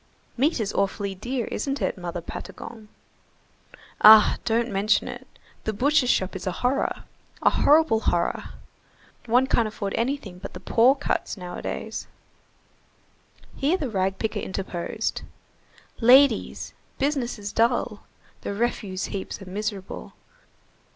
"Meat is awfully dear, isn't it, Mother Patagon?" "Ah! don't mention it, the butcher's shop is a horror. A horrible horror—one can't afford anything but the poor cuts nowadays." Here the rag picker interposed:— "Ladies, business is dull. The refuse heaps are miserable.